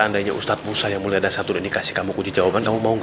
seandainya ustaz musa yang mulia dasar turun ini kasih kamu kunci jawaban kamu mau gak